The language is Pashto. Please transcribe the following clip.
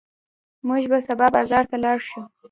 موږ به سبا بازار ته لاړ شو.